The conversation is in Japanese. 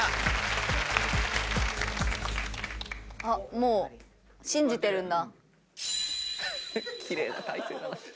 もう信じてるんだ。